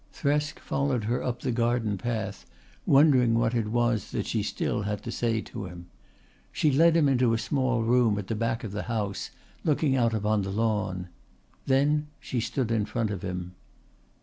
Thresk followed her up the garden path, wondering what it was that she had still to say to him. She led him into a small room at the back of the house, looking out upon the lawn. Then she stood in front of him.